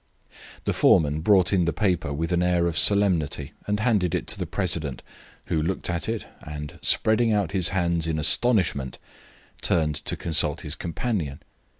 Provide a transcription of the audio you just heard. The foreman brought in the paper with an air of solemnity and handed it to the president, who looked at it, and, spreading out his hands in astonishment, turned to consult his companions.